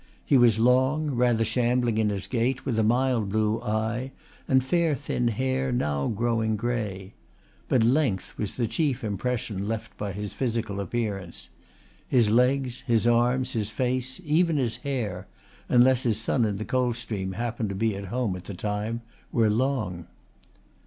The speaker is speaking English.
He was long, rather shambling in his gait, with a mild blue eye and fair thin hair now growing grey. But length was the chief impression left by his physical appearance. His legs, his arms, his face, even his hair, unless his son in the Coldstream happened to be at home at the time, were long.